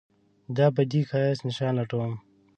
دابدي ښایست نشان لټوم